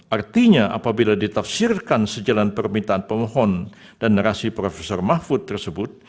artinya apabila ditafsirkan sejalan permintaan pemohon dan narasi prof mahfud tersebut